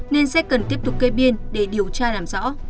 nên sẽ cần tiếp tục kê biên để điều tra làm rõ